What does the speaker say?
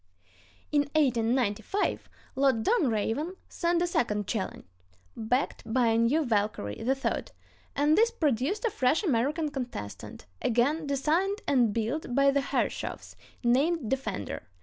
In 1895 Lord Dunraven sent a second challenge, backed by a new Valkyrie (III); and this produced a fresh American contestant, again designed and built by the Herreshoffs, named Defender.